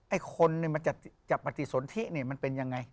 ไอ้คนมันจะปฏิสนทิเนี่ยมันเป็นยังไง